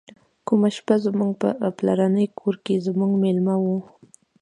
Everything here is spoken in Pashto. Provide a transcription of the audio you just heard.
کومه شپه زموږ په پلرني کور کې زموږ میلمه و.